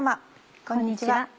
こんにちは。